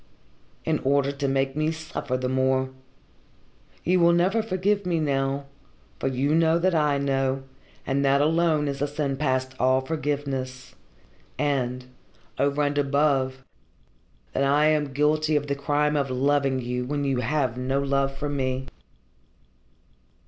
"In order to make me suffer the more. You will never forgive me now, for you know that I know, and that alone is a sin past all forgiveness, and over and above that I am guilty of the crime of loving when you have no love for me."